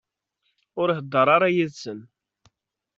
Ur heddeṛ ara yid-sen.